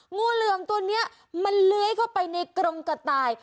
งูเหลือมตัวนี้มันเลื้อยเข้าไปในกรงกระต่าย